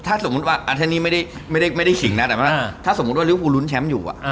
ถ้าสมมุติว่าอาเทนี่ไม่ได้ขิงนะแต่ว่าถ้าสมมุติว่าริวภูลุ้นแชมป์อยู่